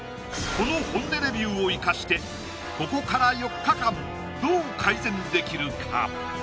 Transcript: この本音レビューを生かしてここから４日間どう改善できるか？